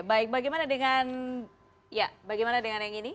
baik bagaimana dengan ya bagaimana dengan yang ini